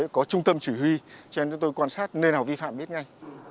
có trung tâm chỉ huy cho nên chúng tôi quan sát nơi nào vi phạm biết ngay